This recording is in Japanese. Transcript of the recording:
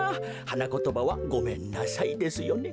はなことばは「ごめんなさい」ですよね。